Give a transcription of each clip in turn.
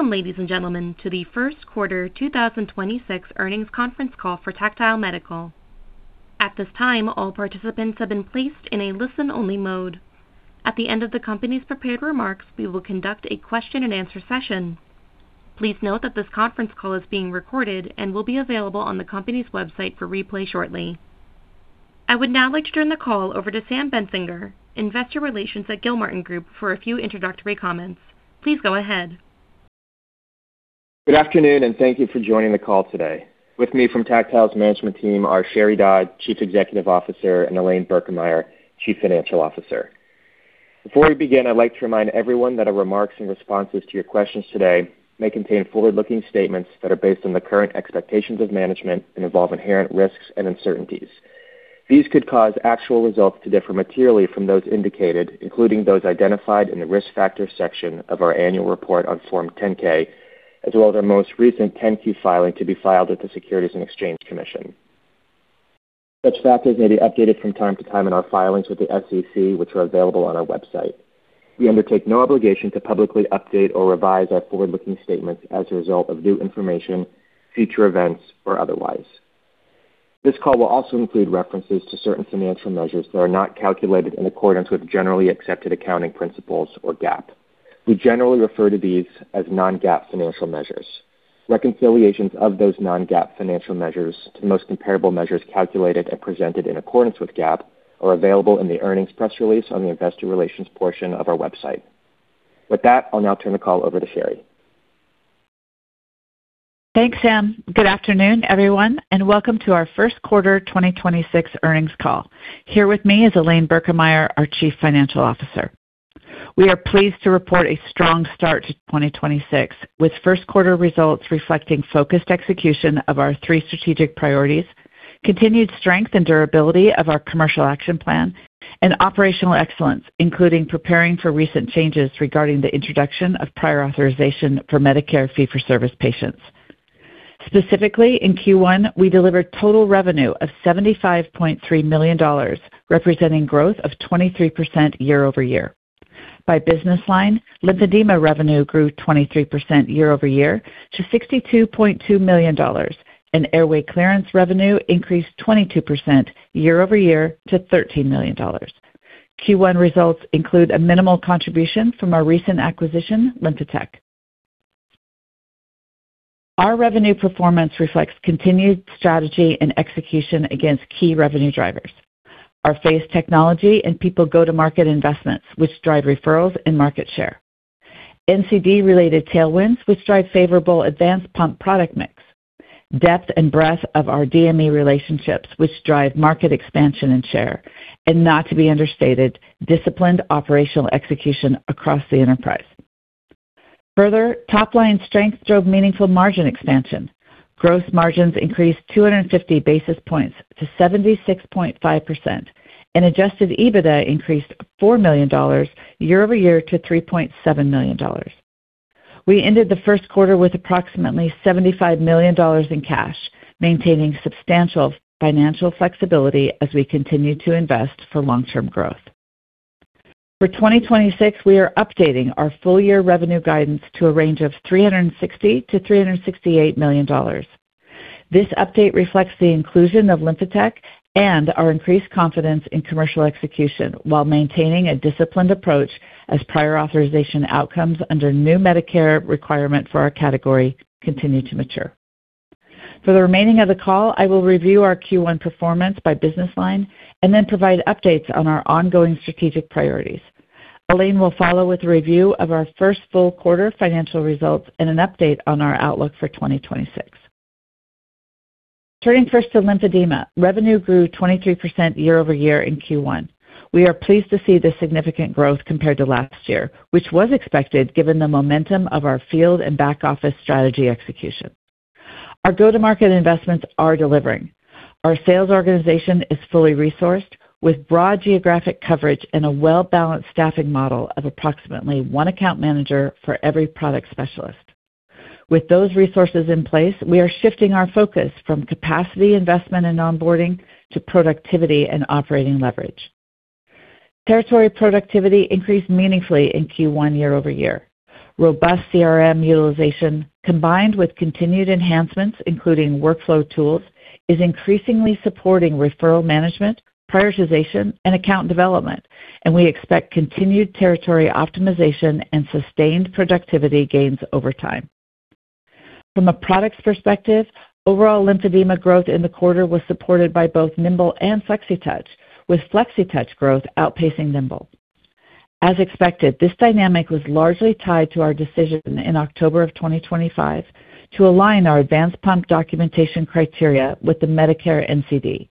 Welcome, ladies and gentlemen, to the first quarter 2026 earnings conference call for Tactile Medical. At this time, all participants have been placed in a listen-only mode. At the end of the company's prepared remarks, we will conduct a question-and-answer session. Please note that this conference call is being recorded and will be available on the company's website for replay shortly. I would now like to turn the call over to Sam Bentzinger, Investor Relations at Gilmartin Group, for a few introductory comments. Please go ahead. Good afternoon, and thank you for joining the call today. With me from Tactile's management team are Sheri Dodd, Chief Executive Officer, and Elaine Birkemeyer, Chief Financial Officer. Before we begin, I'd like to remind everyone that our remarks and responses to your questions today may contain forward-looking statements that are based on the current expectations of management and involve inherent risks and uncertainties. These could cause actual results to differ materially from those indicated, including those identified in the Risk Factors section of our annual report on Form 10-K, as well as our most recent 10-Q filing to be filed with the Securities and Exchange Commission. Such factors may be updated from time to time in our filings with the SEC, which are available on our website. We undertake no obligation to publicly update or revise our forward-looking statements as a result of new information, future events, or otherwise. This call will also include references to certain financial measures that are not calculated in accordance with generally accepted accounting principles or GAAP. We generally refer to these as non-GAAP financial measures. Reconciliations of those non-GAAP financial measures to the most comparable measures calculated and presented in accordance with GAAP are available in the earnings press release on the investor relations portion of our website. With that, I'll now turn the call over to Sheri. Thanks, Sam. Good afternoon, everyone. Welcome to our first quarter 2026 earnings call. Here with me is Elaine Birkemeyer, our Chief Financial Officer. We are pleased to report a strong start to 2026, with first quarter results reflecting focused execution of our three strategic priorities, continued strength and durability of our commercial action plan, and operational excellence, including preparing for recent changes regarding the introduction of prior authorization for Medicare fee-for-service patients. Specifically, in Q1, we delivered total revenue of $75.3 million, representing growth of 23% year-over-year. By business line, lymphedema revenue grew 23% year-over-year to $62.2 million, and airway clearance revenue increased 22% year-over-year to $13 million. Q1 results include a minimal contribution from our recent acquisition, LymphaTech. Our revenue performance reflects continued strategy and execution against key revenue drivers. Our phase technology and people go-to-market investments, which drive referrals and market share. NCD-related tailwinds, which drive favorable advanced pump product mix. Depth and breadth of our DME relationships, which drive market expansion and share, and not to be understated, disciplined operational execution across the enterprise. Further, top-line strength drove meaningful margin expansion. Gross margins increased 250 basis points to 76.5%, and adjusted EBITDA increased $4 million year-over-year to $3.7 million. We ended the first quarter with approximately $75 million in cash, maintaining substantial financial flexibility as we continue to invest for long-term growth. For 2026, we are updating our full year revenue guidance to a range of $360 million-$368 million. This update reflects the inclusion of LymphaTech and our increased confidence in commercial execution while maintaining a disciplined approach as prior authorization outcomes under new Medicare requirement for our category continue to mature. For the remaining of the call, I will review our Q1 performance by business line and then provide updates on our ongoing strategic priorities. Elaine will follow with a review of our first full quarter financial results and an update on our outlook for 2026. Turning first to lymphedema. Revenue grew 23% year-over-year in Q1. We are pleased to see the significant growth compared to last year, which was expected given the momentum of our field and back-office strategy execution. Our go-to-market investments are delivering. Our sales organization is fully resourced with broad geographic coverage and a well-balanced staffing model of approximately one account manager for every product specialist. With those resources in place, we are shifting our focus from capacity investment and onboarding to productivity and operating leverage. Territory productivity increased meaningfully in Q1 year-over-year. Robust CRM utilization, combined with continued enhancements, including workflow tools, is increasingly supporting referral management, prioritization, and account development. We expect continued territory optimization and sustained productivity gains over time. From a products perspective, overall lymphedema growth in the quarter was supported by both Nimbl and Flexitouch, with Flexitouch growth outpacing Nimbl. As expected, this dynamic was largely tied to our decision in October of 2025 to align our advanced pump documentation criteria with the Medicare NCD.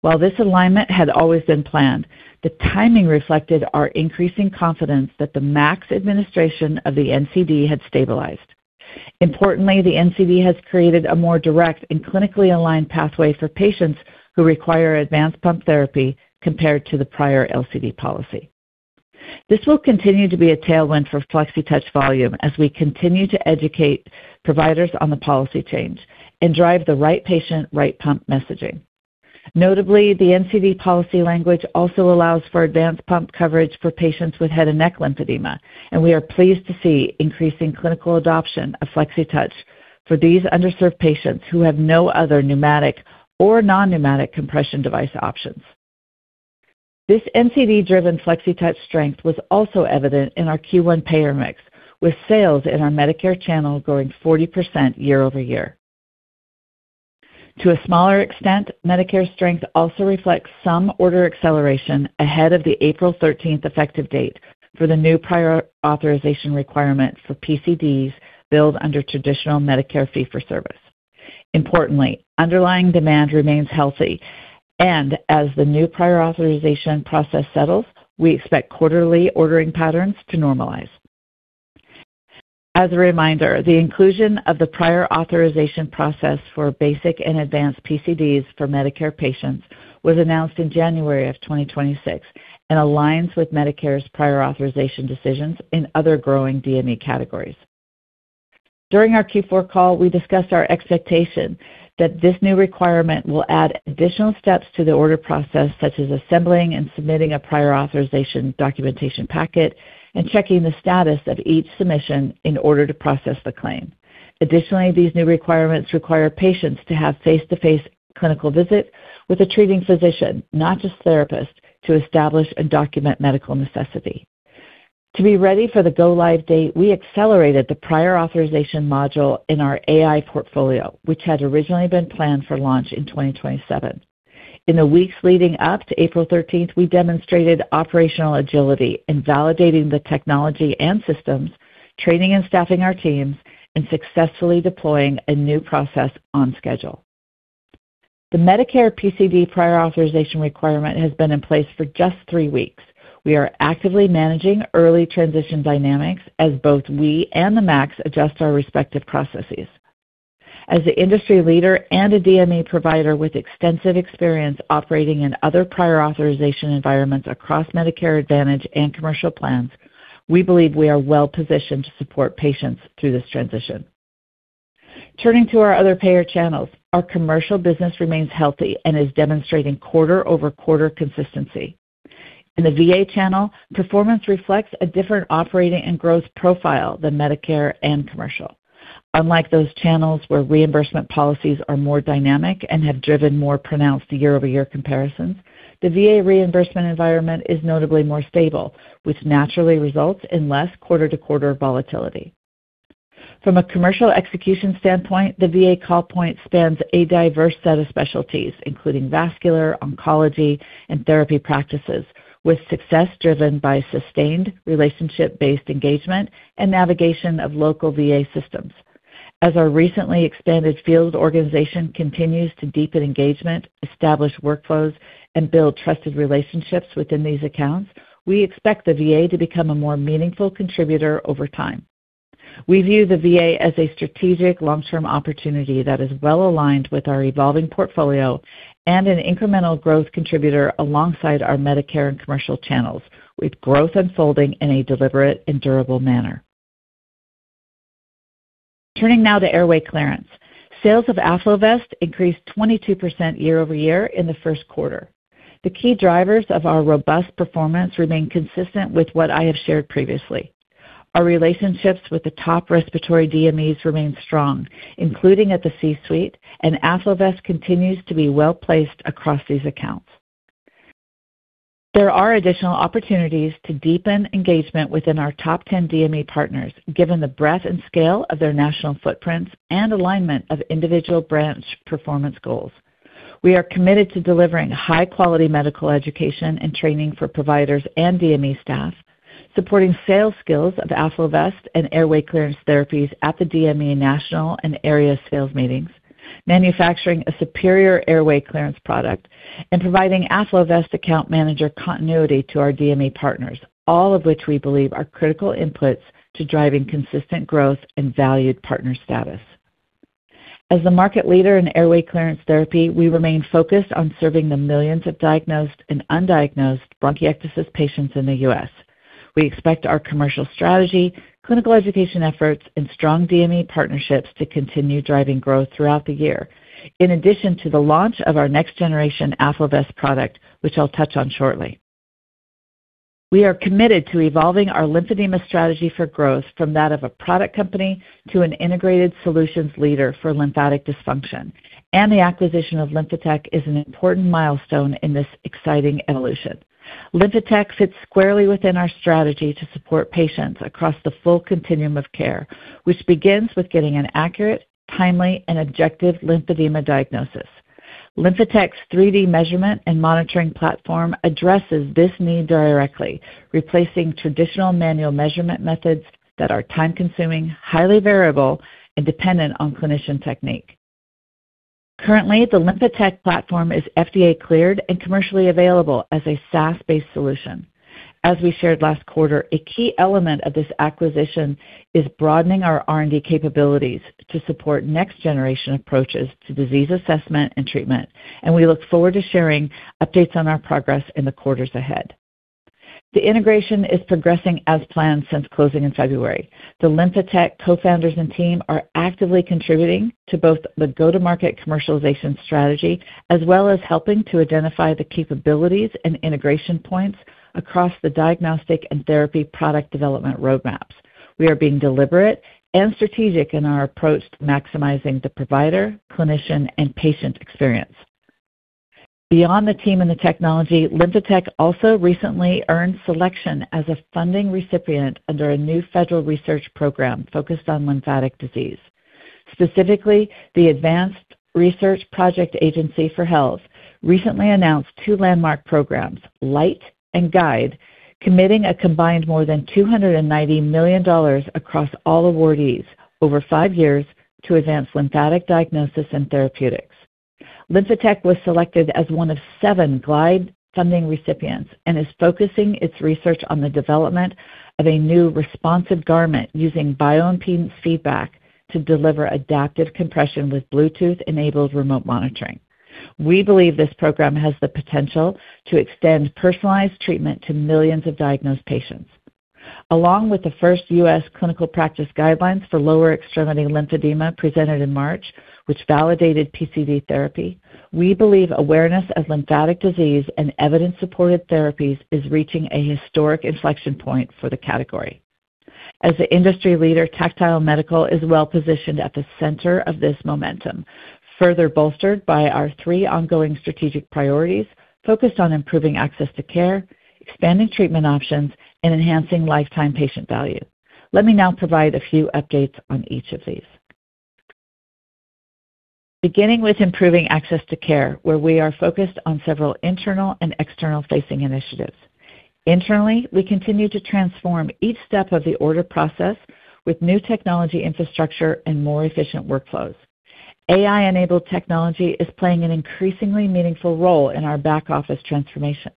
While this alignment had always been planned, the timing reflected our increasing confidence that the MACs administration of the NCD had stabilized. Importantly, the NCD has created a more direct and clinically aligned pathway for patients who require advanced pump therapy compared to the prior LCD policy. This will continue to be a tailwind for Flexitouch volume as we continue to educate providers on the policy change and drive the right patient, right pump messaging. Notably, the NCD policy language also allows for advanced pump coverage for patients with head and neck lymphedema, and we are pleased to see increasing clinical adoption of Flexitouch for these underserved patients who have no other pneumatic or non-pneumatic compression device options. This NCD-driven Flexitouch strength was also evident in our Q1 payer mix, with sales in our Medicare channel growing 40% year-over-year. To a smaller extent, Medicare strength also reflects some order acceleration ahead of the April 13th effective date for the new prior authorization requirement for PCDs billed under traditional Medicare fee-for-service. Importantly, underlying demand remains healthy, and as the new prior authorization process settles, we expect quarterly ordering patterns to normalize. As a reminder, the inclusion of the prior authorization process for basic and advanced PCDs for Medicare patients was announced in January of 2026 and aligns with Medicare's prior authorization decisions in other growing DME categories. During our Q4 call, we discussed our expectation that this new requirement will add additional steps to the order process, such as assembling and submitting a prior authorization documentation packet and checking the status of each submission in order to process the claim. These new requirements require patients to have face-to-face clinical visit with a treating physician, not just therapist, to establish and document medical necessity. To be ready for the go-live date, we accelerated the prior authorization module in our AI portfolio, which had originally been planned for launch in 2027. In the weeks leading up to April 13th, we demonstrated operational agility in validating the technology and systems, training and staffing our teams, and successfully deploying a new process on schedule. The Medicare PCD prior authorization requirement has been in place for just three weeks. We are actively managing early transition dynamics as both we and the MACs adjust our respective processes. As an industry leader and a DME provider with extensive experience operating in other prior authorization environments across Medicare Advantage and commercial plans, we believe we are well-positioned to support patients through this transition. Turning to our other payer channels, our commercial business remains healthy and is demonstrating quarter-over-quarter consistency. In the VA channel, performance reflects a different operating and growth profile than Medicare and commercial. Unlike those channels where reimbursement policies are more dynamic and have driven more pronounced year-over-year comparisons, the VA reimbursement environment is notably more stable, which naturally results in less quarter-to-quarter volatility. From a commercial execution standpoint, the VA call point spans a diverse set of specialties, including vascular, oncology, and therapy practices, with success driven by sustained relationship-based engagement and navigation of local VA systems. As our recently expanded field organization continues to deepen engagement, establish workflows, and build trusted relationships within these accounts, we expect the VA to become a more meaningful contributor over time. We view the VA as a strategic long-term opportunity that is well-aligned with our evolving portfolio and an incremental growth contributor alongside our Medicare and commercial channels, with growth unfolding in a deliberate and durable manner. Turning now to airway clearance. Sales of AffloVest increased 22% year-over-year in the first quarter. The key drivers of our robust performance remain consistent with what I have shared previously. Our relationships with the top respiratory DMEs remain strong, including at the C-suite, and AffloVest continues to be well-placed across these accounts. There are additional opportunities to deepen engagement within our top 10 DME partners, given the breadth and scale of their national footprints and alignment of individual branch performance goals. We are committed to delivering high-quality medical education and training for providers and DME staff, supporting sales skills of AffloVest and airway clearance therapies at the DME national and area sales meetings, manufacturing a superior airway clearance product, and providing AffloVest account manager continuity to our DME partners, all of which we believe are critical inputs to driving consistent growth and valued partner status. As the market leader in airway clearance therapy, we remain focused on serving the millions of diagnosed and undiagnosed bronchiectasis patients in the U.S. We expect our commercial strategy, clinical education efforts, and strong DME partnerships to continue driving growth throughout the year, in addition to the launch of our next generation AffloVest product, which I'll touch on shortly. We are committed to evolving our lymphedema strategy for growth from that of a product company to an integrated solutions leader for lymphatic dysfunction, and the acquisition of LymphaTech is an important milestone in this exciting evolution. LymphaTech fits squarely within our strategy to support patients across the full continuum of care, which begins with getting an accurate, timely, and objective lymphedema diagnosis. LymphaTech's 3D measurement and monitoring platform addresses this need directly, replacing traditional manual measurement methods that are time-consuming, highly variable, and dependent on clinician technique. Currently, the LymphaTech platform is FDA-cleared and commercially available as a SaaS-based solution. As we shared last quarter, a key element of this acquisition is broadening our R&D capabilities to support next-generation approaches to disease assessment and treatment. We look forward to sharing updates on our progress in the quarters ahead. The integration is progressing as planned since closing in February. The LymphaTech co-founders and team are actively contributing to both the go-to-market commercialization strategy, as well as helping to identify the capabilities and integration points across the diagnostic and therapy product development roadmaps. We are being deliberate and strategic in our approach to maximizing the provider, clinician, and patient experience. Beyond the team and the technology, LymphaTech also recently earned selection as a funding recipient under a new federal research program focused on lymphatic disease. Specifically, the Advanced Research Projects Agency for Health recently announced two landmark programs, LIGHT and GUIDE, committing a combined more than $290 million across all awardees over five years to advance lymphatic diagnosis and therapeutics. LymphaTech was selected as one of seven GUIDE funding recipients and is focusing its research on the development of a new responsive garment using bioimpedance feedback to deliver adaptive compression with Bluetooth-enabled remote monitoring. We believe this program has the potential to extend personalized treatment to millions of diagnosed patients. Along with the first U.S. Clinical Practice Guidelines for Lower Extremity Lymphedema presented in March, which validated PCD therapy, we believe awareness of lymphatic disease and evidence-supported therapies is reaching a historic inflection point for the category. As the industry leader, Tactile Medical is well-positioned at the center of this momentum, further bolstered by our three ongoing strategic priorities, focused on improving access to care, expanding treatment options, and enhancing lifetime patient value. Let me now provide a few updates on each of these. Beginning with improving access to care, where we are focused on several internal and external-facing initiatives. Internally, we continue to transform each step of the order process with new technology infrastructure and more efficient workflows. AI-enabled technology is playing an increasingly meaningful role in our back-office transformation.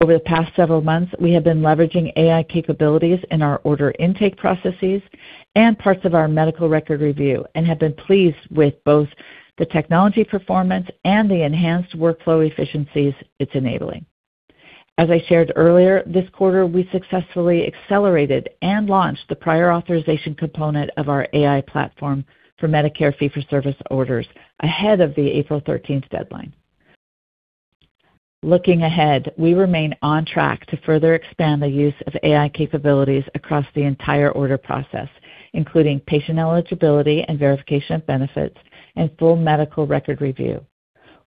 Over the past several months, we have been leveraging AI capabilities in our order intake processes and parts of our medical record review and have been pleased with both the technology performance and the enhanced workflow efficiencies it's enabling. As I shared earlier, this quarter, we successfully accelerated and launched the prior authorization component of our AI platform for Medicare fee-for-service orders ahead of the April 13th deadline. Looking ahead, we remain on track to further expand the use of AI capabilities across the entire order process, including patient eligibility and verification of benefits and full medical record review.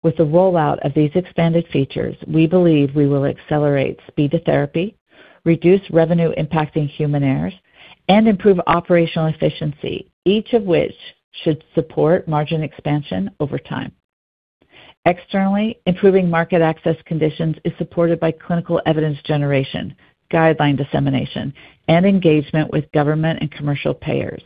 With the rollout of these expanded features, we believe we will accelerate speed to therapy, reduce revenue impacting human errors, and improve operational efficiency, each of which should support margin expansion over time. Externally, improving market access conditions is supported by clinical evidence generation, guideline dissemination, and engagement with government and commercial payers.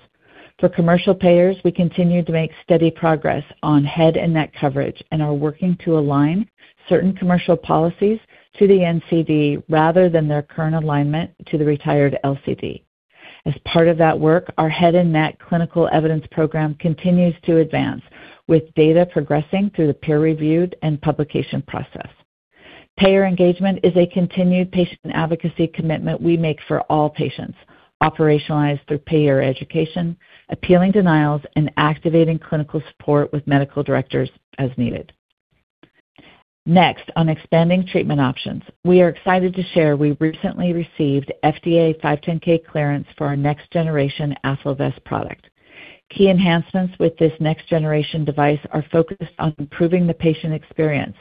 For commercial payers, we continue to make steady progress on head and neck coverage and are working to align certain commercial policies to the NCD rather than their current alignment to the retired LCD. As part of that work, our head and neck clinical evidence program continues to advance, with data progressing through the peer-reviewed and publication process. Payer engagement is a continued patient advocacy commitment we make for all patients, operationalized through payer education, appealing denials, and activating clinical support with medical directors as needed. On expanding treatment options. We are excited to share we recently received FDA 510(k) clearance for our next-generation AffloVest product. Key enhancements with this next-generation device are focused on improving the patient experience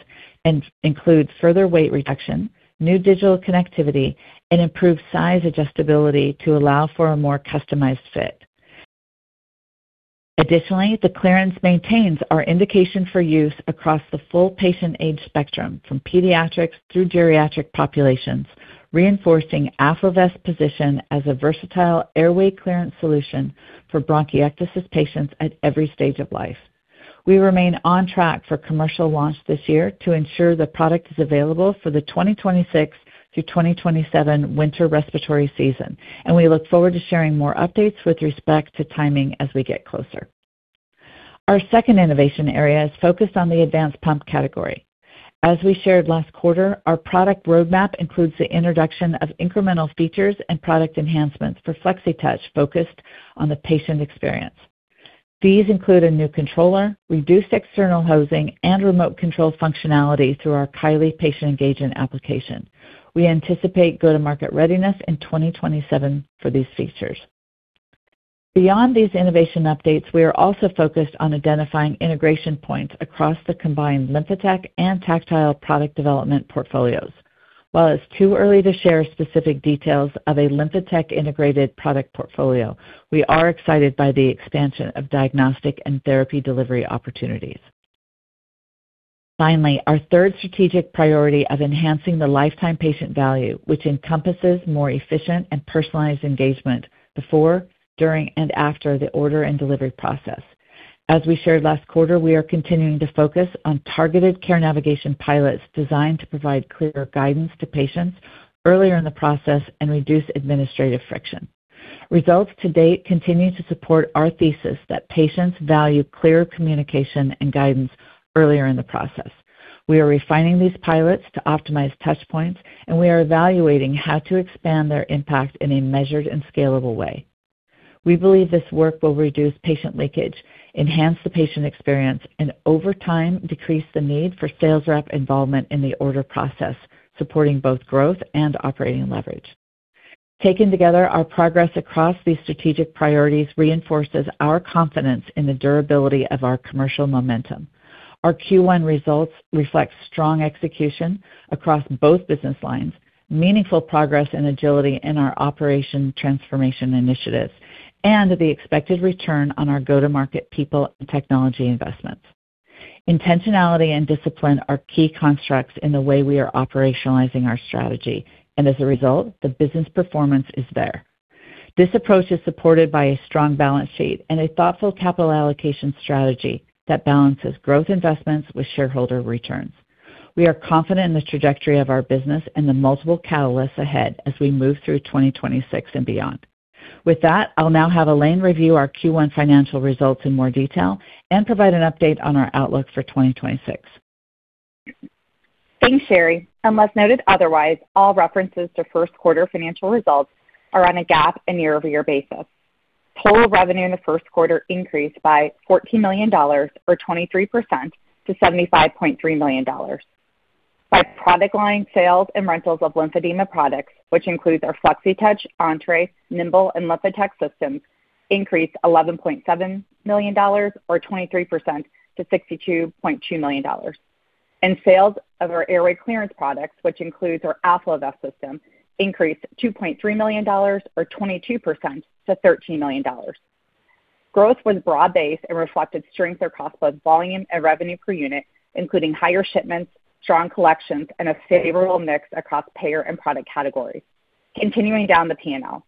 and include further weight reduction, new digital connectivity, and improved size adjustability to allow for a more customized fit. The clearance maintains our indication for use across the full patient age spectrum, from pediatrics through geriatric populations, reinforcing AffloVest's position as a versatile airway clearance solution for bronchiectasis patients at every stage of life. We remain on track for commercial launch this year to ensure the product is available for the 2026 through 2027 winter respiratory season, and we look forward to sharing more updates with respect to timing as we get closer. Our second innovation area is focused on the advanced pump category. As we shared last quarter, our product roadmap includes the introduction of incremental features and product enhancements for Flexitouch focused on the patient experience. These include a new controller, reduced external housing, and remote control functionality through our Kylee patient engagement application. We anticipate go-to-market readiness in 2027 for these features. Beyond these innovation updates, we are also focused on identifying integration points across the combined LymphaTech and Tactile product development portfolios. While it's too early to share specific details of a LymphaTech integrated product portfolio, we are excited by the expansion of diagnostic and therapy delivery opportunities. Our third strategic priority of enhancing the lifetime patient value, which encompasses more efficient and personalized engagement before, during, and after the order and delivery process. As we shared last quarter, we are continuing to focus on targeted care navigation pilots designed to provide clearer guidance to patients earlier in the process and reduce administrative friction. Results to date continue to support our thesis that patients value clear communication and guidance earlier in the process. We are refining these pilots to optimize touch points, we are evaluating how to expand their impact in a measured and scalable way. We believe this work will reduce patient leakage, enhance the patient experience, and over time, decrease the need for sales rep involvement in the order process, supporting both growth and operating leverage. Taken together, our progress across these strategic priorities reinforces our confidence in the durability of our commercial momentum. Our Q1 results reflect strong execution across both business lines, meaningful progress and agility in our operation transformation initiatives, and the expected return on our go-to-market people and technology investments. Intentionality and discipline are key constructs in the way we are operationalizing our strategy. As a result, the business performance is there. This approach is supported by a strong balance sheet and a thoughtful capital allocation strategy that balances growth investments with shareholder returns. We are confident in the trajectory of our business and the multiple catalysts ahead as we move through 2026 and beyond. With that, I'll now have Elaine review our Q1 financial results in more detail and provide an update on our outlook for 2026. Thanks, Sheri. Unless noted otherwise, all references to first quarter financial results are on a GAAP and year-over-year basis. Total revenue in the first quarter increased by $14 million or 23% to $75.3 million. By product line, sales and rentals of lymphedema products, which includes our Flexitouch, Entre, Nimbl, and LymphaTech systems, increased $11.7 million or 23% to $62.2 million. Sales of our airway clearance products, which includes our AffloVest system, increased $2.3 million or 22% to $13 million. Growth was broad-based and reflected strength across both volume and revenue per unit, including higher shipments, strong collections, and a favorable mix across payer and product categories. Continuing down the P&L.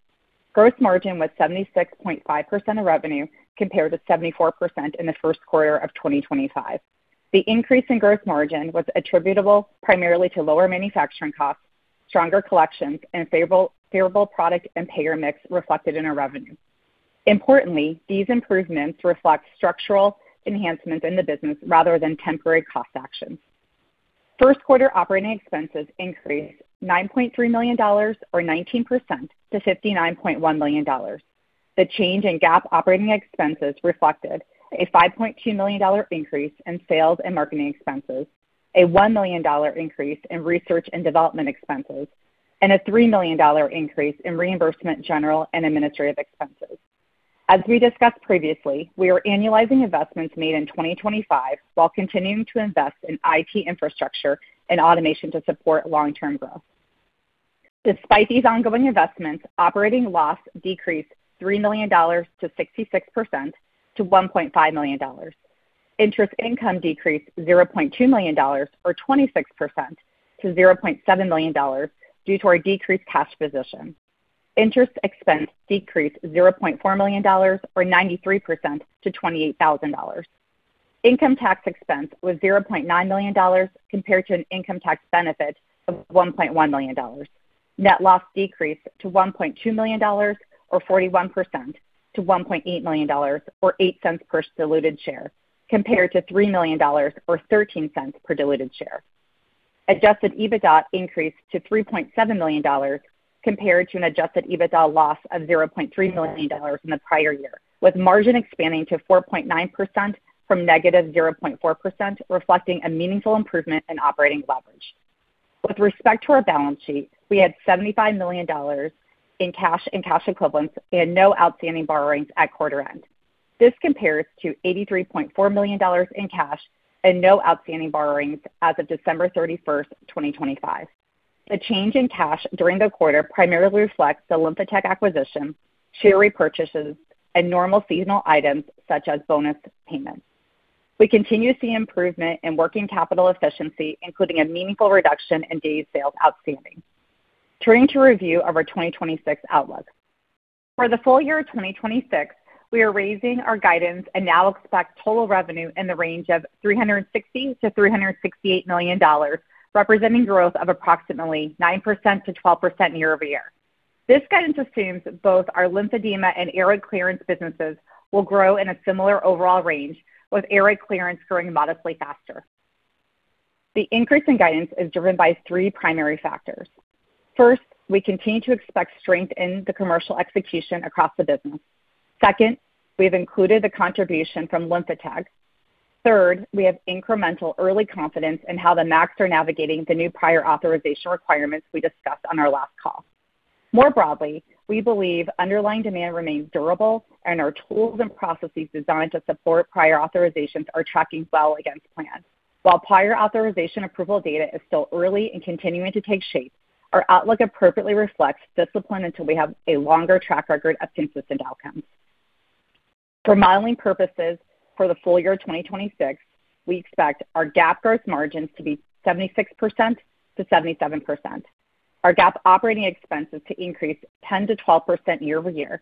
Gross margin was 76.5% of revenue compared with 74% in the first quarter of 2025. The increase in gross margin was attributable primarily to lower manufacturing costs, stronger collections, and favorable product and payer mix reflected in our revenue. Importantly, these improvements reflect structural enhancements in the business rather than temporary cost actions. First quarter operating expenses increased $9.3 million or 19% to $59.1 million. The change in GAAP operating expenses reflected a $5.2 million increase in sales and marketing expenses, a $1 million increase in research and development expenses, and a $3 million increase in reimbursement, general, and administrative expenses. As we discussed previously, we are annualizing investments made in 2025 while continuing to invest in IT infrastructure and automation to support long-term growth. Despite these ongoing investments, operating loss decreased $3 million to 66% to $1.5 million. Interest income decreased $0.2 million or 26% to $0.7 million due to our decreased cash position. Interest expense decreased $0.4 million or 93% to $28,000. Income tax expense was $0.9 million compared to an income tax benefit of $1.1 million. Net loss decreased to $1.2 million or 41% to $1.8 million or $0.08 per diluted share, compared to $3 million or $0.13 per diluted share. Adjusted EBITDA increased to $3.7 million compared to an adjusted EBITDA loss of $0.3 million in the prior year, with margin expanding to 4.9% from -0.4%, reflecting a meaningful improvement in operating leverage. With respect to our balance sheet, we had $75 million in cash and cash equivalents and no outstanding borrowings at quarter-end. This compares to $83.4 million in cash and no outstanding borrowings as of December 31st, 2025. The change in cash during the quarter primarily reflects the LymphaTech acquisition, share repurchases, and normal seasonal items such as bonus payments. We continue to see improvement in working capital efficiency, including a meaningful reduction in days sales outstanding. Turning to a review of our 2026 outlook. For the full year of 2026, we are raising our guidance and now expect total revenue in the range of $360 million-$368 million, representing growth of approximately 9%-12% year-over-year. This guidance assumes both our lymphedema and airway clearance businesses will grow in a similar overall range, with airway clearance growing modestly faster. The increase in guidance is driven by three primary factors. First, we continue to expect strength in the commercial execution across the business. Second, we have included the contribution from LymphaTech. Third, we have incremental early confidence in how the MACs are navigating the new prior authorization requirements we discussed on our last call. More broadly, we believe underlying demand remains durable, and our tools and processes designed to support prior authorizations are tracking well against plan. While prior authorization approval data is still early and continuing to take shape, our outlook appropriately reflects discipline until we have a longer track record of consistent outcomes. For modeling purposes, for the full year of 2026, we expect our GAAP gross margins to be 76%-77%. Our GAAP operating expenses to increase 10%-12% year-over-year.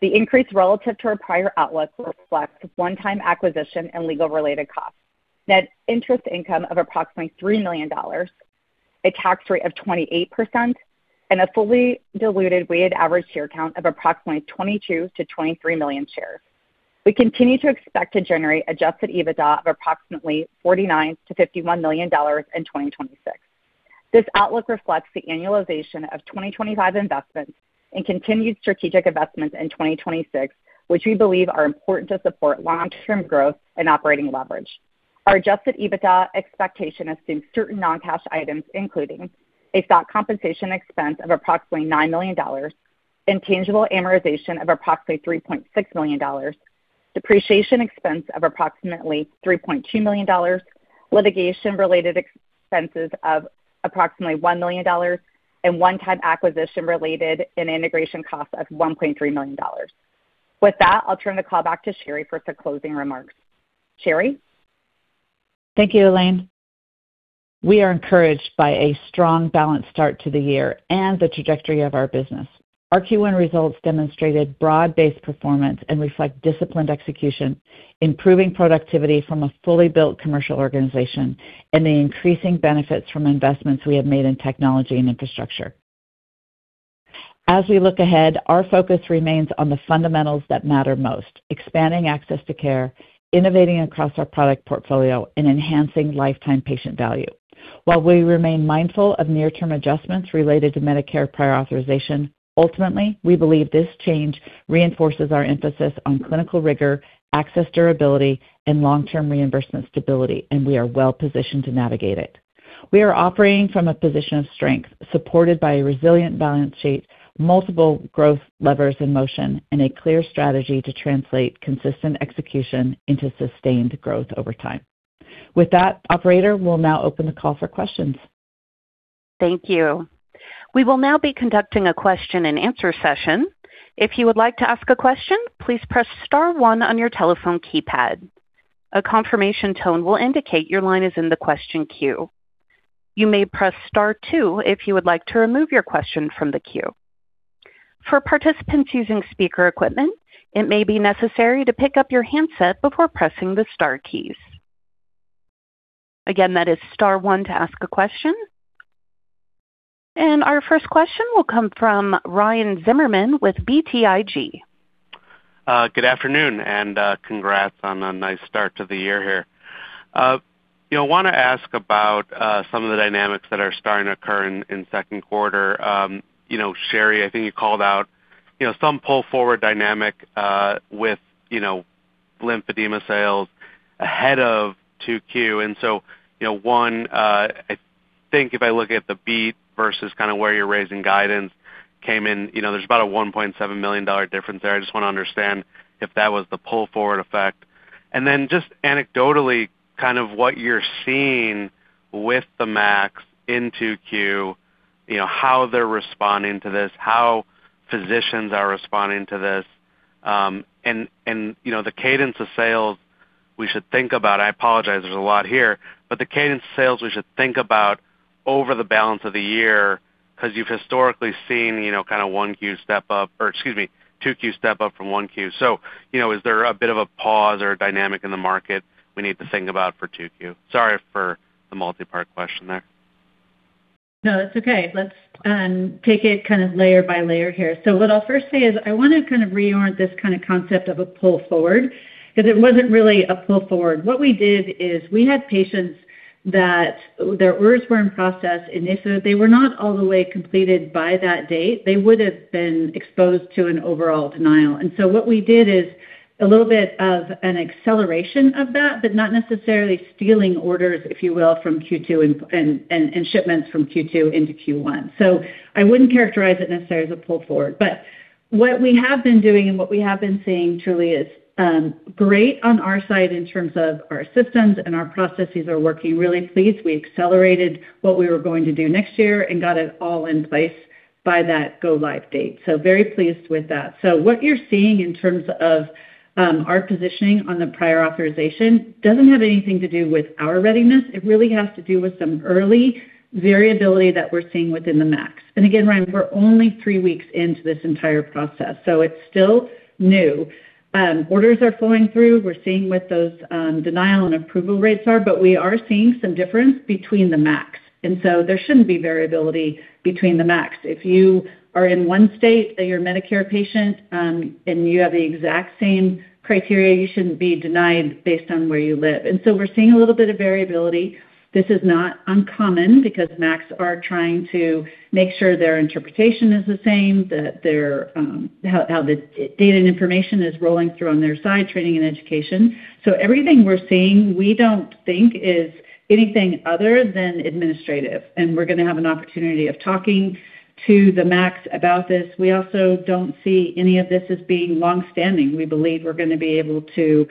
The increase relative to our prior outlook reflects one-time acquisition and legal related costs. Net interest income of approximately $3 million, a tax rate of 28%, and a fully diluted weighted average share count of approximately 22 million-23 million shares. We continue to expect to generate adjusted EBITDA of approximately $49 million-$51 million in 2026. This outlook reflects the annualization of 2025 investments and continued strategic investments in 2026, which we believe are important to support long-term growth and operating leverage. Our adjusted EBITDA expectation assumes certain non-cash items, including a stock compensation expense of approximately $9 million, intangible amortization of approximately $3.6 million, depreciation expense of approximately $3.2 million, litigation-related expenses of approximately $1 million, and one-time acquisition-related and integration costs of $1.3 million. With that, I'll turn the call back to Sheri for some closing remarks. Sheri? Thank you, Elaine. We are encouraged by a strong, balanced start to the year and the trajectory of our business. Our Q1 results demonstrated broad-based performance and reflect disciplined execution, improving productivity from a fully built commercial organization, and the increasing benefits from investments we have made in technology and infrastructure. As we look ahead, our focus remains on the fundamentals that matter most: expanding access to care, innovating across our product portfolio, and enhancing lifetime patient value. While we remain mindful of near-term adjustments related to Medicare prior authorization, ultimately, we believe this change reinforces our emphasis on clinical rigor, access durability, and long-term reimbursement stability, and we are well-positioned to navigate it. We are operating from a position of strength, supported by a resilient balance sheet, multiple growth levers in motion, and a clear strategy to translate consistent execution into sustained growth over time. With that, operator, we'll now open the call for questions. Thank you. We will now be conducting a question-and-answer session. If you would like to ask a question, please press star one on your telephone keypad. A confirmation tone will indicate your line is in the question queue. You may press star two if you would like to remove your question from the queue. For participants using speaker equipment, it may be necessary to pick up your handset before pressing the star keys. Again, that is star one to ask a question. Our first question will come from Ryan Zimmerman with BTIG. Good afternoon, and congrats on a nice start to the year here. You know, wanna ask about some of the dynamics that are starting to occur in second quarter. You know, Sheri, I think you called out, you know, some pull-forward dynamic with, you know, lymphedema sales ahead of 2Q. You know, one, I think if I look at the beat versus kind of where your raising guidance came in, you know, there's about a $1.7 million difference there. I just wanna understand if that was the pull-forward effect. Just anecdotally, kind of what you're seeing with the MACs in 2Q, you know, how they're responding to this, how physicians are responding to this. You know, the cadence of sales we should think about. I apologize, there's a lot here, but the cadence of sales we should think about over the balance of the year, 'cause you've historically seen, you know, kind of 1Q step up or excuse me, 2Q step up from 1Q. You know, is there a bit of a pause or a dynamic in the market we need to think about for 2Q? Sorry for the multi-part question there. No, that's okay. Let's take it kind of layer by layer here. What I'll first say is I want to kind of reorient this kind of concept of a pull forward, because it wasn't really a pull forward. What we did is we had patients that their orders were in process, and if they were not all the way completed by that date, they would have been exposed to an overall denial. What we did is a little bit of an acceleration of that, but not necessarily stealing orders, if you will, from Q2 and shipments from Q2 into Q1. I wouldn't characterize it necessarily as a pull forward. What we have been doing and what we have been seeing truly is great on our side in terms of our systems and our processes are working really pleased. We accelerated what we were going to do next year and got it all in place by that go-live date. Very pleased with that. What you're seeing in terms of our positioning on the prior authorization doesn't have anything to do with our readiness. It really has to do with some early variability that we're seeing within the MACs. Again, Ryan, we're only three weeks into this entire process, so it's still new. Orders are flowing through. We're seeing what those denial and approval rates are, but we are seeing some difference between the MACs. There shouldn't be variability between the MACs. If you are in one state and you're a Medicare patient, and you have the exact same criteria, you shouldn't be denied based on where you live. We're seeing a little bit of variability. This is not uncommon because MACs are trying to make sure their interpretation is the same, that their how the data and information is rolling through on their side, training and education. Everything we're seeing, we don't think is anything other than administrative, and we're going to have an opportunity of talking to the MACs about this. We also don't see any of this as being long-standing. We believe we're going to be able to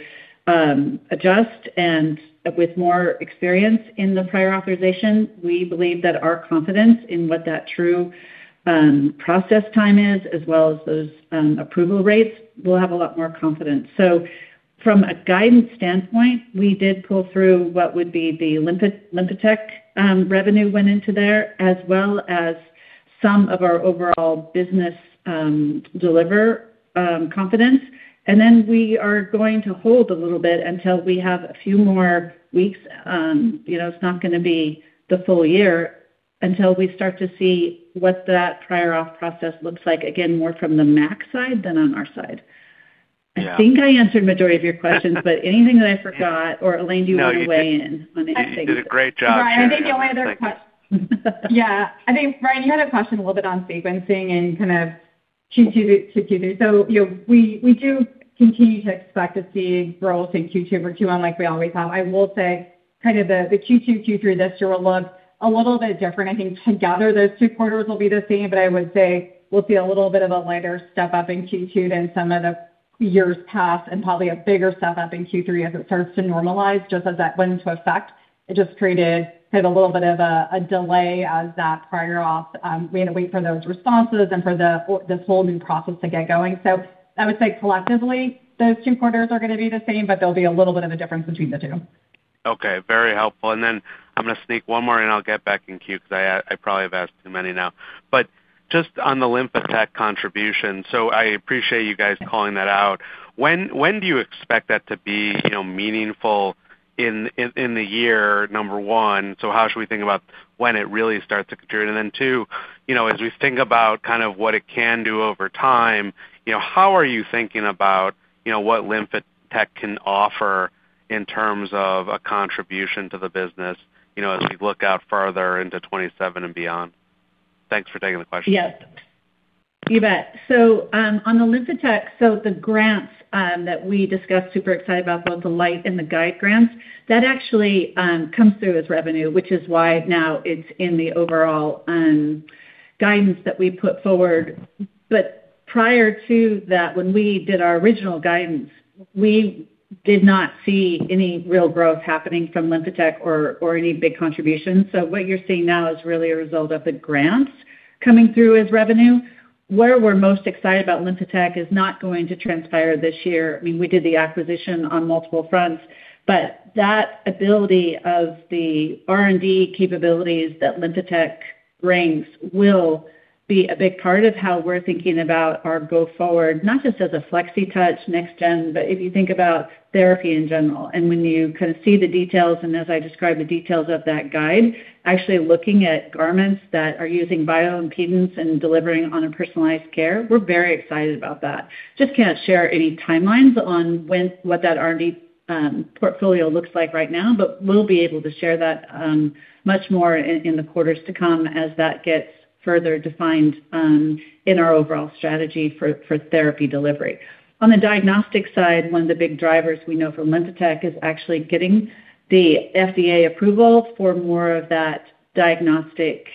adjust and with more experience in the prior authorization. We believe that our confidence in what that true process time is as well as those approval rates will have a lot more confidence. From a guidance standpoint, we did pull through what would be the LymphaTech revenue went into there as well as some of our overall business confidence. We are going to hold a little bit until we have a few more weeks, you know, it's not going to be the full year until we start to see what that prior auth process looks like, again, more from the MACs side than on our side. Yeah. I think I answered majority of your questions, but anything that I forgot or Elaine, do you want to weigh in? You did a great job. Ryan, I think the only other, I think, Ryan, you had a question a little bit on sequencing and kind of Q2 to Q3. You know, we do continue to expect to see growth in Q2 over Q1 like we always have. I will say kind of the Q2, Q3 this year will look a little bit different. I think together those two quarters will be the same, but I would say we'll see a little bit of a lighter step up in Q2 than some of the years past, and probably a bigger step up in Q3 as it starts to normalize. Just as that went into effect, it just created a little bit of a delay as that prior auth, we had to wait for those responses and for this whole new process to get going. I would say collectively, those two quarters are going to be the same, but there'll be a little bit of a difference between the two. Okay. Very helpful. I'm going to sneak one more in, and I'll get back in queue because I probably have asked too many now. Just on the LymphaTech contribution. I appreciate you guys calling that out. When, when do you expect that to be, you know, meaningful in, in the year, number one, how should we think about when it really starts to contribute? Then two, you know, as we think about kind of what it can do over time, you know, how are you thinking about, you know, what LymphaTech can offer in terms of a contribution to the business, you know, as we look out further into 2027 and beyond? Thanks for taking the question. Yes. You bet. On the LymphaTech, the grants that we discussed, super excited about both the LIGHT and the GUIDE grants, that actually comes through as revenue, which is why now it's in the overall guidance that we put forward. Prior to that, when we did our original guidance, we did not see any real growth happening from LymphaTech or any big contributions. What you're seeing now is really a result of the grants coming through as revenue. Where we're most excited about LymphaTech is not going to transpire this year. I mean, we did the acquisition on multiple fronts, but that ability of the R&D capabilities that LymphaTech brings will be a big part of how we're thinking about our go forward, not just as a Flexitouch next gen, but if you think about therapy in general. When you kind of see the details and as I describe the details of that GUIDE, actually looking at garments that are using bioimpedance and delivering on a personalized care, we're very excited about that. Just can't share any timelines on when-what that R&D portfolio looks like right now, but we'll be able to share that much more in the quarters to come as that gets further defined in our overall strategy for therapy delivery. On the diagnostic side, one of the big drivers we know from LymphaTech is actually getting the FDA approval for more of that diagnostic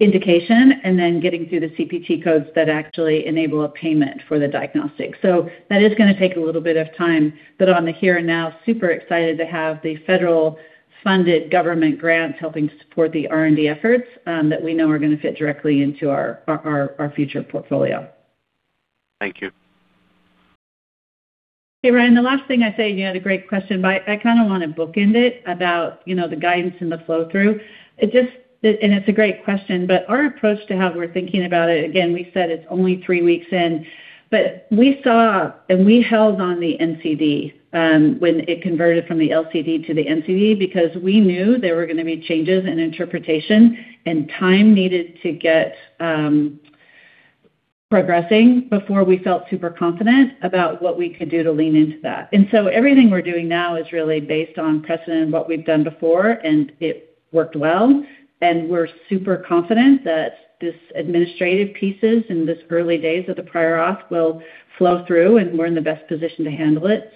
indication and then getting through the CPT codes that actually enable a payment for the diagnostic. That is going to take a little bit of time. On the here and now, super excited to have the federal funded government grants helping to support the R&D efforts, that we know are going to fit directly into our, our future portfolio. Thank you. Hey, Ryan, the last thing I say, you had a great question, but I kind of want to bookend it about, you know, the guidance and the flow through. It's a great question. Our approach to how we're thinking about it, again, we said it's only three weeks in, but we saw and we held on the NCD when it converted from the LCD to the NCD, because we knew there were going to be changes in interpretation and time needed to get progressing before we felt super confident about what we could do to lean into that. Everything we're doing now is really based on precedent and what we've done before, and it worked well. We're super confident that this administrative pieces in this early days of the prior auth will flow through, and we're in the best position to handle it.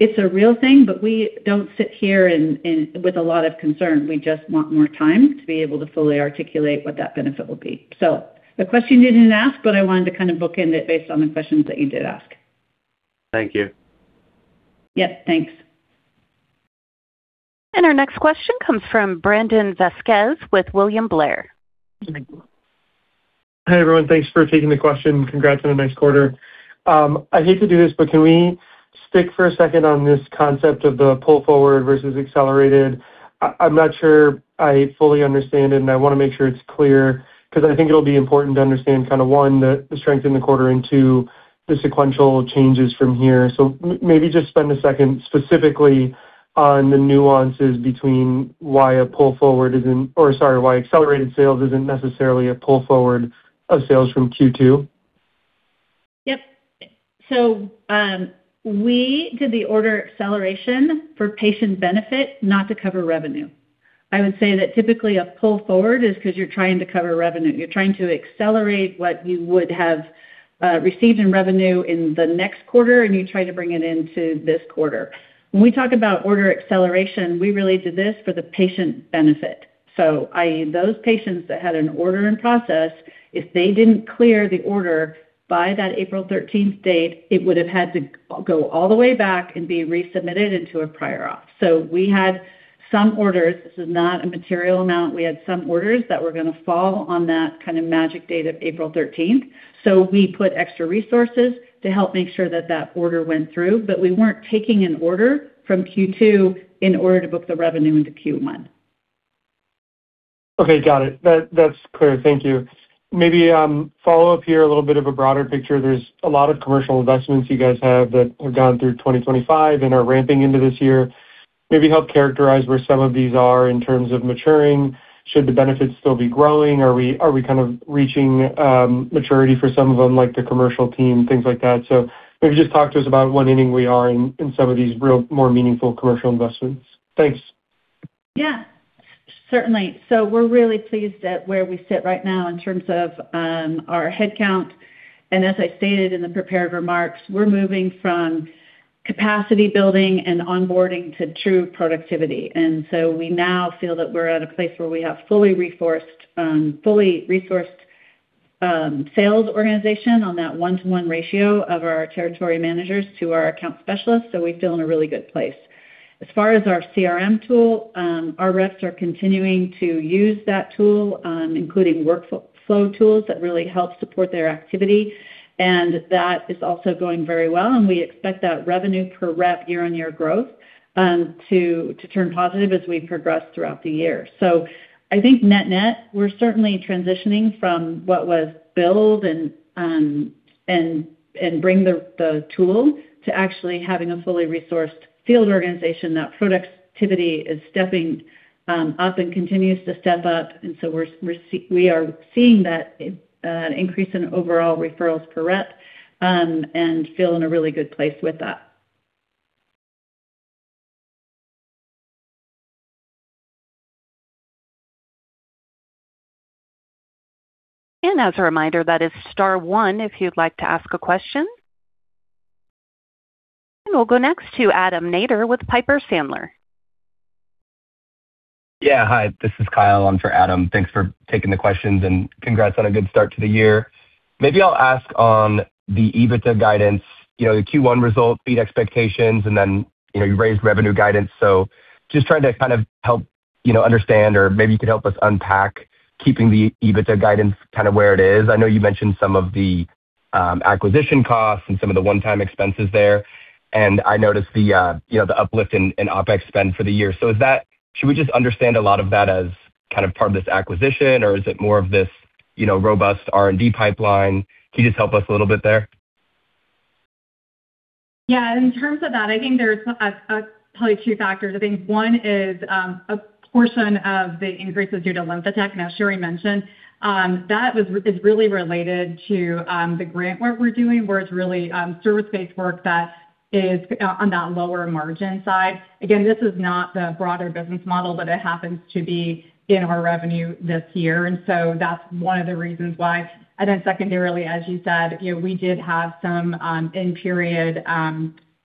It's a real thing, but we don't sit here in with a lot of concern. We just want more time to be able to fully articulate what that benefit will be. The question you didn't ask, but I wanted to kind of bookend it based on the questions that you did ask. Thank you. Yep. Thanks. Our next question comes from Brandon Vazquez with William Blair. Hi, everyone. Thanks for taking the question. Congrats on a nice quarter. I hate to do this, can we stick for a second on this concept of the pull forward versus accelerated? I'm not sure I fully understand it, and I want to make sure it's clear because I think it'll be important to understand kind of, one, the strength in the quarter and, two, the sequential changes from here. Maybe just spend a second specifically on the nuances between why a pull forward isn't, or sorry, why accelerated sales isn't necessarily a pull forward of sales from Q2? Yep. We did the order acceleration for patient benefit, not to cover revenue. I would say that typically a pull forward is because you're trying to cover revenue. You're trying to accelerate what you would have received in revenue in the next quarter, and you try to bring it into this quarter. When we talk about order acceleration, we really did this for the patient benefit. i.e. those patients that had an order in process, if they didn't clear the order by that April 13th date, it would have had to go all the way back and be resubmitted into a prior auth. We had some orders, this is not a material amount. We had some orders that were going to fall on that kind of magic date of April 13th. We put extra resources to help make sure that that order went through. We weren't taking an order from Q2 in order to book the revenue into Q1. Okay, got it. That's clear. Thank you. Maybe follow up here a little bit of a broader picture. There's a lot of commercial investments you guys have that have gone through 2025 and are ramping into this year. Maybe help characterize where some of these are in terms of maturing. Should the benefits still be growing? Are we kind of reaching maturity for some of them, like the commercial team, things like that? Maybe just talk to us about what inning we are in some of these real more meaningful commercial investments? Thanks. Yeah, certainly. We're really pleased at where we sit right now in terms of our head count. As I stated in the prepared remarks, we're moving from capacity building and onboarding to true productivity. We now feel that we're at a place where we have fully resourced sales organization on that one-to-one ratio of our territory managers to our account specialists. We feel in a really good place. As far as our CRM tool, our reps are continuing to use that tool, including workflow tools that really help support their activity, and that is also going very well. We expect that revenue per rep year-on-year growth to turn positive as we progress throughout the year. I think net-net, we're certainly transitioning from what was build and bring the tools to actually having a fully resourced field organization. That productivity is stepping up and continues to step up. We are seeing that increase in overall referrals per rep, and feel in a really good place with that. As a reminder, that is star one if you'd like to ask a question. We'll go next to Adam Maeder with Piper Sandler. Hi, this is Kyle in for Adam. Thanks for taking the questions and congrats on a good start to the year. Maybe I'll ask on the EBITDA guidance. You know, the Q1 results beat expectations. You raised revenue guidance. Just trying to kind of help, you know, understand or maybe you could help us unpack keeping the EBITDA guidance kind of where it is. I know you mentioned some of the acquisition costs and some of the one-time expenses there. I noticed the, you know, the uplift in OpEx spend for the year. Should we just understand a lot of that as kind of part of this acquisition, or is it more of this, you know, robust R&D pipeline? Can you just help us a little bit there? Yeah. In terms of that, I think there's probably two factors. I think one is a portion of the increase is due to LymphaTech, and as Sheri mentioned, that is really related to the grant work we're doing, where it's really service-based work that is on that lower margin side. Again, this is not the broader business model, but it happens to be in our revenue this year. That's one of the reasons why. Secondarily, as you said, you know, we did have some in-period,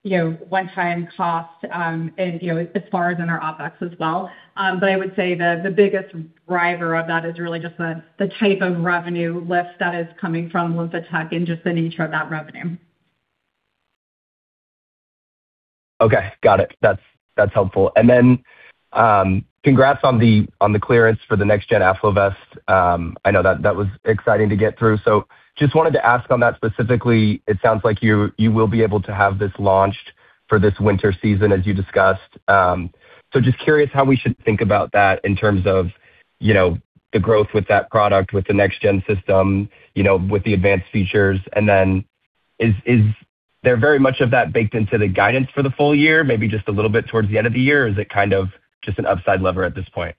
you know, one-time costs, and, you know, as far as in our OpEx as well. I would say the biggest driver of that is really just the type of revenue lift that is coming from LymphaTech and just the nature of that revenue. Okay. Got it. That's helpful. Then, congrats on the clearance for the next gen AffloVest. I know that that was exciting to get through. Just wanted to ask on that specifically, it sounds like you will be able to have this launched for this winter season as you discussed. Just curious how we should think about that in terms of, you know, the growth with that product, with the next gen system, you know, with the advanced features. Is there very much of that baked into the guidance for the full year, maybe just a little bit towards the end of the year? Is it kind of just an upside lever at this point?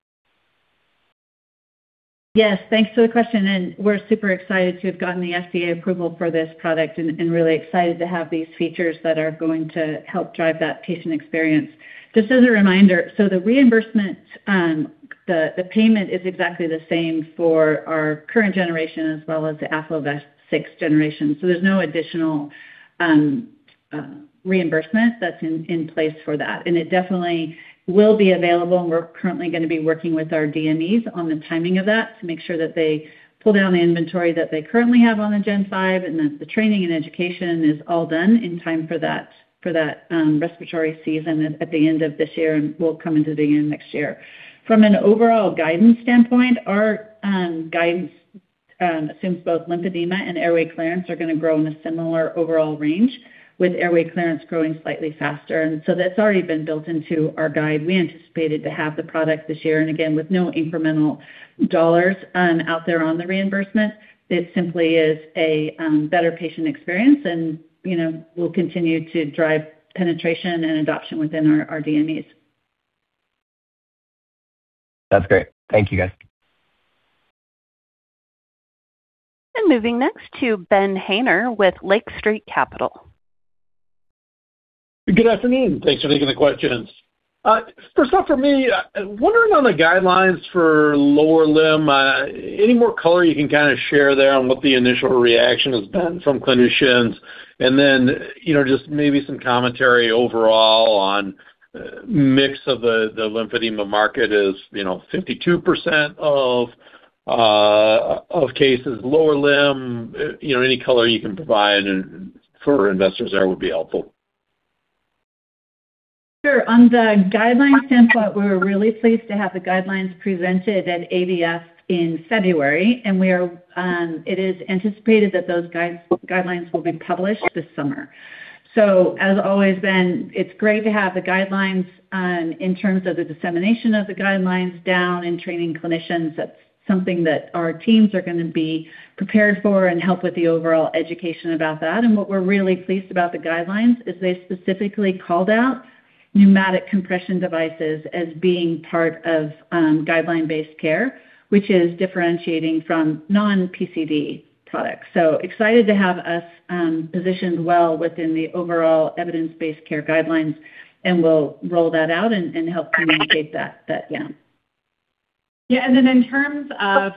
Yes. Thanks for the question, we're super excited to have gotten the FDA approval for this product and really excited to have these features that are going to help drive that patient experience. Just as a reminder, the reimbursement, the payment is exactly the same for our current generation as well as the AffloVest 6th Generation. There's no additional reimbursement that's in place for that. It definitely will be available, and we're currently going to be working with our DMEs on the timing of that to make sure that they pull down the inventory that they currently have on the Gen 5 and that the training and education is all done in time for that respiratory season at the end of this year and will come into the end next year. From an overall guidance standpoint, our guidance assumes both lymphedema and airway clearance are gonna grow in a similar overall range, with airway clearance growing slightly faster. That's already been built into our guide. We anticipated to have the product this year, with no incremental dollars out there on the reimbursement. It simply is a better patient experience, and, you know, we'll continue to drive penetration and adoption within our DMEs. That's great. Thank you, guys. Moving next to Ben Haynor with Lake Street Capital. Good afternoon. Thanks for taking the questions. First off for me, wondering on the guidelines for lower limb, any more color you can kind of share there on what the initial reaction has been from clinicians? Then, you know, just maybe some commentary overall on mix of the lymphedema market is, you know, 52% of cases, lower limb, you know, any color you can provide and for investors there would be helpful? Sure. On the guidelines standpoint, we're really pleased to have the guidelines presented at AVF in February, and it is anticipated that those guidelines will be published this summer. So as always been, it's great to have the guidelines, in terms of the dissemination of the guidelines down and training clinicians. That's something that our teams are gonna be prepared for and help with the overall education about that. What we're really pleased about the guidelines is they specifically called out pneumatic compression devices as being part of, guideline-based care, which is differentiating from non-PCD products. Excited to have us, positioned well within the overall evidence-based care guidelines, and we'll roll that out and help communicate that, yeah. Yeah. In terms of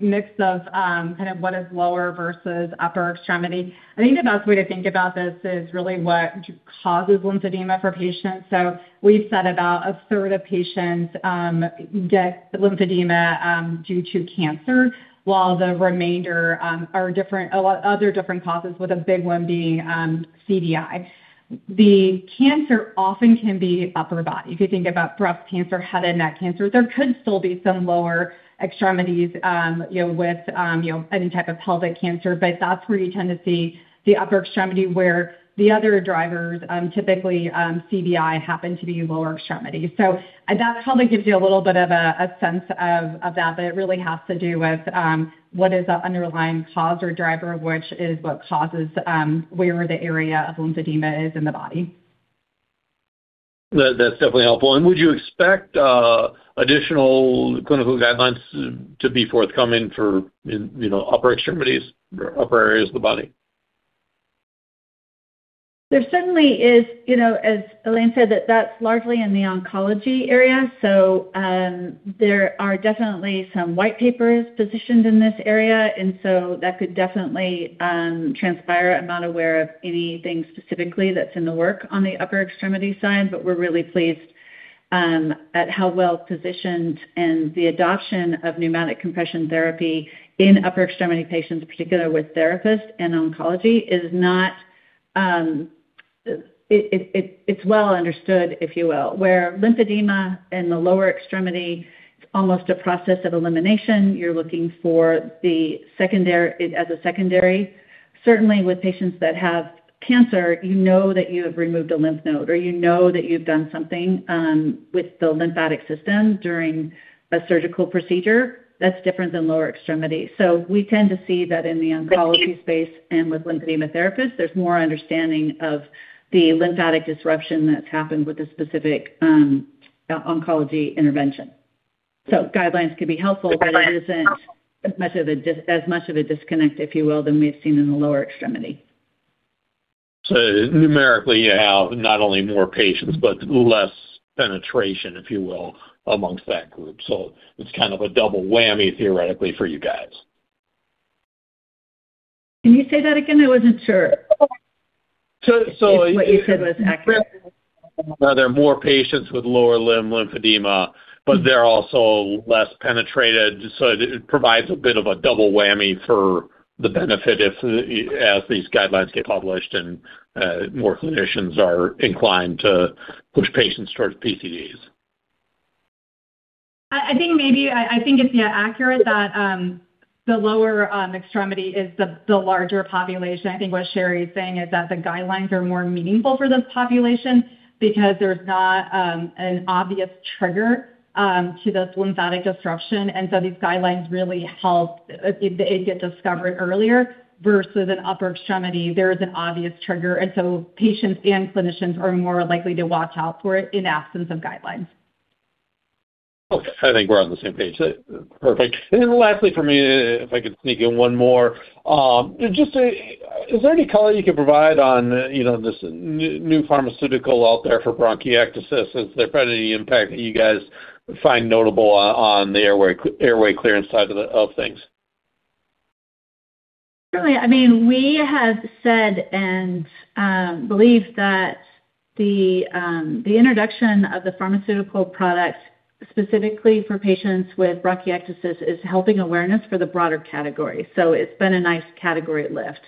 mix of what is lower versus upper extremity, I think the best way to think about this is really what causes lymphedema for patients. We've said about 1/3 of patients get lymphedema due to cancer, while the remainder are a lot of other different causes, with a big one being CVI. The cancer often can be upper body. If you think about breast cancer, head and neck cancer, there could still be some lower extremities with any type of pelvic cancer. That's where you tend to see the upper extremity where the other drivers, typically CVI, happen to be lower extremity. That probably gives you a little bit of a sense of that, but it really has to do with what is the underlying cause or driver, which is what causes where the area of lymphedema is in the body. That's definitely helpful. Would you expect additional clinical guidelines to be forthcoming for, you know, upper extremities or upper areas of the body? There certainly is. You know, as Elaine said, that that's largely in the oncology area. There are definitely some white papers positioned in this area, that could definitely transpire. I'm not aware of anything specifically that's in the work on the upper extremity side, but we're really pleased at how well-positioned and the adoption of pneumatic compression therapy in upper extremity patients, particularly with therapists and oncology, is not. It's well understood, if you will, where lymphedema in the lower extremity, it's almost a process of elimination. You're looking for as a secondary. Certainly with patients that have cancer, you know that you have removed a lymph node, or you know that you've done something with the lymphatic system during a surgical procedure. That's different than lower extremity. We tend to see that in the oncology space and with lymphedema therapists, there's more understanding of the lymphatic disruption that's happened with a specific oncology intervention. Guidelines can be helpful, but it isn't as much of a disconnect, if you will, than we've seen in the lower extremity. Numerically, you have not only more patients, but less penetration, if you will, amongst that group. It's kind of a double whammy theoretically for you guys. Can you say that again? I wasn't sure. You- If what you said was accurate. There are more patients with lower limb lymphedema, but they're also less penetrated, so it provides a bit of a double whammy for the benefit if, as these guidelines get published and more clinicians are inclined to push patients towards PCDs. I think it's, yeah, accurate that the lower extremity is the larger population. I think what Sheri is saying is that the guidelines are more meaningful for this population because there's not an obvious trigger to this lymphatic disruption. These guidelines really help it get discovered earlier versus an upper extremity. There is an obvious trigger, patients and clinicians are more likely to watch out for it in absence of guidelines. Okay. I think we're on the same page. Perfect. Lastly for me, if I could sneak in one more. Just, is there any color you can provide on, you know, this new pharmaceutical out there for bronchiectasis? Is there probably any impact that you guys find notable on the airway clearance side of the things? Certainly. I mean, we have said and believe that the introduction of the pharmaceutical products specifically for patients with bronchiectasis is helping awareness for the broader category. It's been a nice category lift.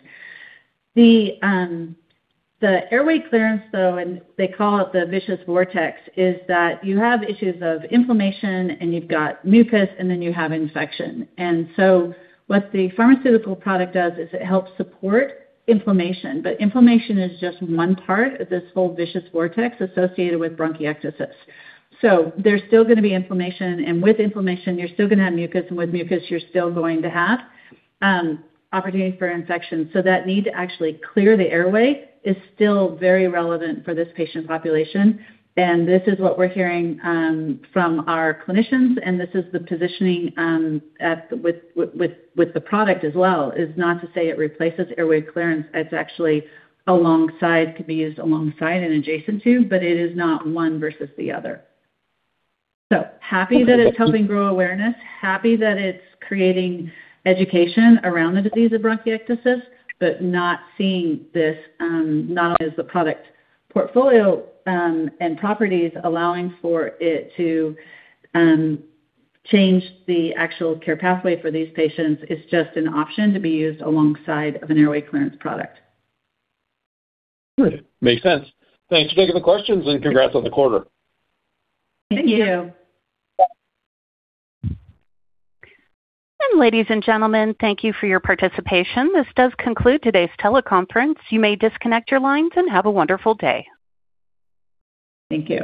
The airway clearance, though, and they call it the vicious vortex, is that you have issues of inflammation, and you've got mucus, and then you have infection. What the pharmaceutical product does is it helps support inflammation, but inflammation is just one part of this whole vicious vortex associated with bronchiectasis. There's still gonna be inflammation, and with inflammation, you're still gonna have mucus, and with mucus, you're still going to have opportunity for infection. That need to actually clear the airway is still very relevant for this patient population. This is what we're hearing from our clinicians, this is the positioning with the product as well, is not to say it replaces airway clearance. It's actually alongside, could be used alongside and adjacent to, but it is not one versus the other. Happy that it's helping grow awareness. Happy that it's creating education around the disease of bronchiectasis, but not seeing this not only as the product portfolio and properties allowing for it to change the actual care pathway for these patients. It's just an option to be used alongside of an airway clearance product. Good. Makes sense. Thanks for taking the questions, and congrats on the quarter. Thank you. Thank you. Ladies and gentlemen, thank you for your participation. This does conclude today's teleconference. You may disconnect your lines and have a wonderful day. Thank you.